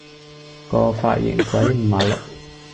個髮型鬼五馬六